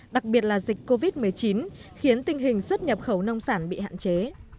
đặc biệt là dịch covid một mươi chín khiến tình hình xuất nhập khẩu nông sản bị hạn chế